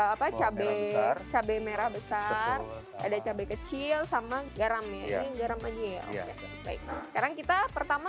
apa cabai cabai merah besar ada cabai kecil sama garam ya ini garam aja ya oke baik sekarang kita pertama